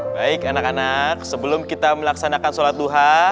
baik anak anak sebelum kita melaksanakan sholat duha